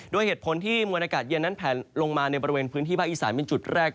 เหตุผลที่มวลอากาศเย็นนั้นแผลลงมาในบริเวณพื้นที่ภาคอีสานเป็นจุดแรก